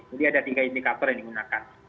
jadi ada tiga indikator yang digunakan